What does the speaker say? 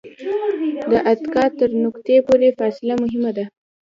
د اتکا تر نقطې پورې فاصله مهمه ده.